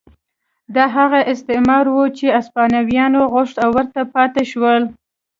دا هغه استعمار و چې هسپانویانو غوښت او ورته پاتې شول.